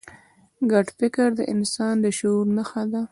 ګډ فکر د انسان د شعور نښه ده.